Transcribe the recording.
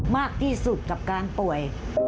มากที่สุดกับการป่วย